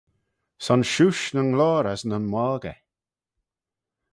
Son shiuish nyn ghloyr as nyn moggey.